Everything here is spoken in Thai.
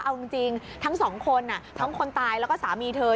เอาจริงทั้งสองคนทั้งคนตายแล้วก็สามีเธอ